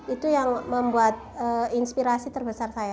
itu yang membuat inspirasi terbesar saya